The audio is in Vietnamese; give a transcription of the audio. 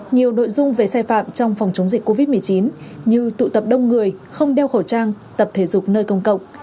nhiều nội dung về sai phạm trong phòng chống dịch covid một mươi chín như tụ tập đông người không đeo khẩu trang tập thể dục nơi công cộng